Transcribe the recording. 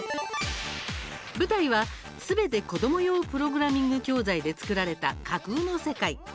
舞台は、すべて子ども用プログラミング教材で作られた架空の世界。